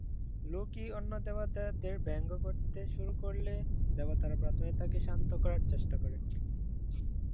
Loki অন্য দেবতাদের ব্যঙ্গ করতে শুরু করলে, দেবতারা প্রথমে তাকে শান্ত করার চেষ্টা করে।